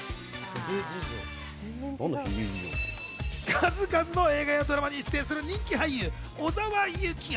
数々の映画やドラマに出演する人気俳優小澤征悦。